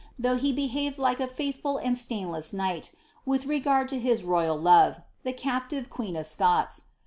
though he behaved like a faithful and stainless knight, with regard to his royal love, the captive queen of Scots.